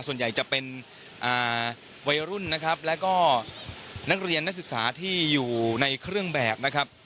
ส่วนใหญ่จะเป็นวัยรุ่นนะครับแล้วก็นักเรียนนักศึกษาที่อยู่ในเครื่องแบบนะครับ